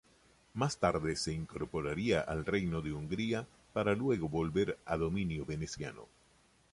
Más tarde se incorporaría al reino de Hungría, para luego volver a dominio veneciano.